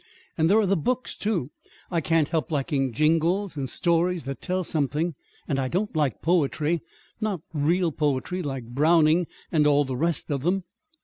And there are the books, too. I can't help liking jingles and stories that tell something; and I don't like poetry not real poetry like Browning and all the rest of them."